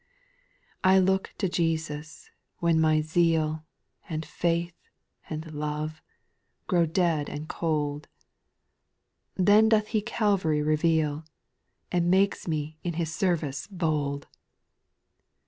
7. I look to Jesus, when my zeal, And faith, and love, grow dead and cold ; Then doth He Calvary reveal, And makes me in His service bold.